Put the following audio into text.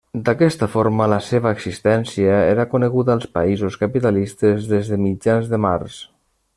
D'aquesta forma la seva existència era coneguda als països capitalistes des de mitjans de març.